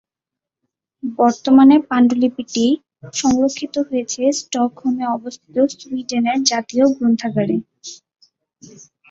বর্তমানে পাণ্ডুলিপিটি সংরক্ষিত রয়েছে স্টকহোমে অবস্থিত সুইডেনের জাতীয় গ্রন্থাগারে।